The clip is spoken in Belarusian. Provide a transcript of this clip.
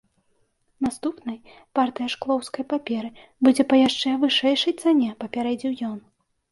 Наступнай партыя шклоўскай паперы будзе па яшчэ вышэйшай цане, папярэдзіў ён.